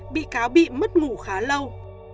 bị cáo bị mất ngủ khá lâu